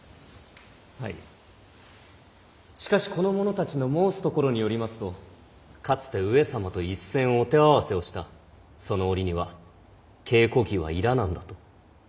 はいしかしこの者たちの申すところによりますとかつて上様と一戦をお手合わせをしたその折には稽古着はいらなんだと。